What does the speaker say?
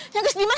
ya guys diman